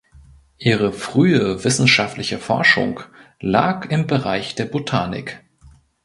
Ihre frühe wissenschaftliche Forschung lag im Bereich der Botanik.